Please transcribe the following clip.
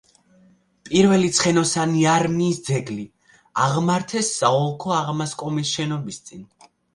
პირველი ცხენოსანი არმიის ძეგლი აღმართეს საოლქო აღმასკომის შენობის წინ.